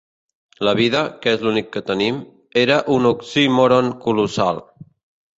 La vida, que és l'únic que tenim, era un oxímoron colossal.